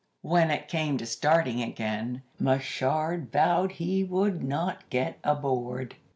"When it came to starting again, Machard vowed he would not get aboard.